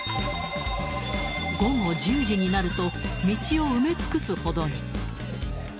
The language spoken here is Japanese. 午後１０時になると、道を埋め尽くすほどに。